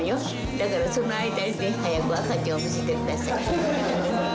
だからその間に、早く赤ちゃんを見せてください。